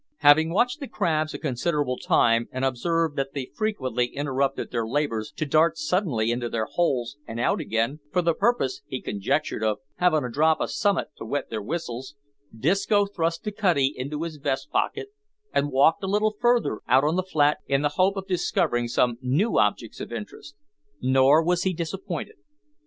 Having watched the crabs a considerable time, and observed that they frequently interrupted their labours to dart suddenly into their holes and out again for the purpose, he conjectured, of "havin' a drop o' summat to wet their whistles," Disco thrust the cutty into his vest pocket, and walked a little further out on the flat in the hope of discovering some new objects of interest. Nor was he disappointed.